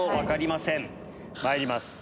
まいります